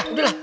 ah udah lah